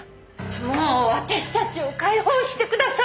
もう私たちを解放してください！